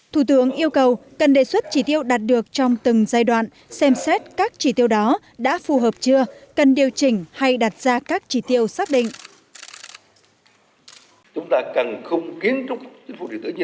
thủ tướng yêu cầu cần đề xuất chỉ tiêu đạt được trong từng giai đoạn xem xét các chỉ tiêu đó đã phù hợp chưa cần điều chỉnh hay đặt ra các chỉ tiêu xác định